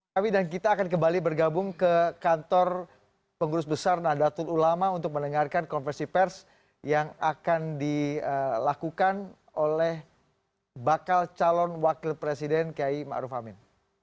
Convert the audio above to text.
kami dan kita akan kembali bergabung ke kantor pengurus besar nadatul ulama untuk mendengarkan konversi pers yang akan dilakukan oleh bakal calon wakil presiden kiai ⁇ maruf ⁇ amin